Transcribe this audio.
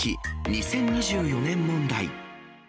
２０２４年問題。